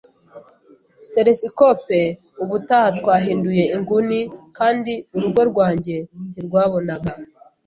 telesikope. Ubutaha twahinduye inguni kandi urugo rwanjye ntirwabonaga.